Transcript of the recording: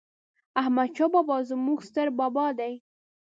احمد شاه بابا ﺯموږ ستر بابا دي